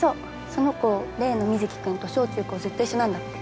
その子例の水城君と小中高ずっと一緒なんだって。